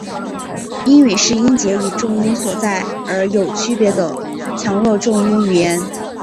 英语是音节以重音所在而有区别的强弱重音语言。